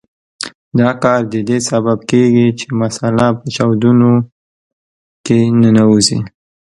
دا کار د دې سبب کیږي چې مساله په چاودونو کې ننوځي.